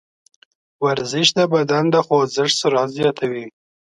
ورزش د بدن د خوځښت سرعت زیاتوي.